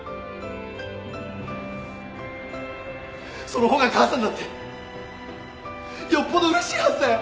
その方が母さんだってよっぽどうれしいはずだよ。